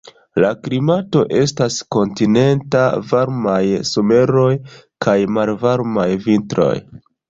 La klimato estas kontinenta: varmaj someroj kaj malvarmaj vintroj.